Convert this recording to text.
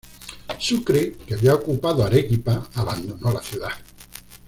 Sucre que había ocupado Arequipa, abandonó la ciudad.